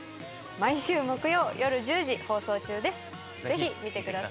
毎週木曜夜１０時放送中です。